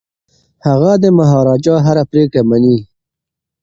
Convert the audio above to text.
هغه د مهاراجا هره پریکړه مني.